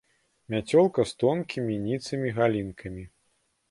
Мяцёлка з тонкімі, ніцымі галінкамі.